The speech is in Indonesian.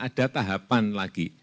masih ada tahapan lagi